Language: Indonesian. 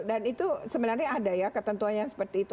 dan itu sebenarnya ada ya ketentuanya seperti itu